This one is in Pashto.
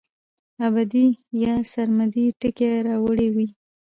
ابدي يا سرمدي ټکي راوړي وے